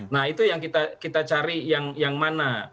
nah itu yang kita cari yang mana